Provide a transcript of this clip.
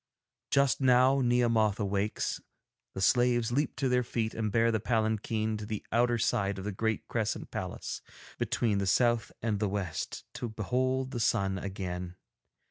Just now Nehemoth awakes, the slaves leap to their feet and bear the palanquin to the outer side of the great crescent palace between the south and the west, to behold the sun again.